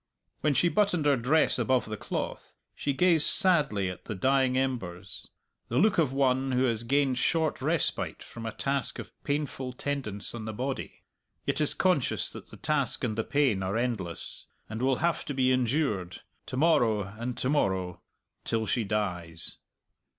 When she buttoned her dress above the cloth, she gazed sadly at the dying embers the look of one who has gained short respite from a task of painful tendance on the body, yet is conscious that the task and the pain are endless, and will have to be endured, to morrow and to morrow, till she dies.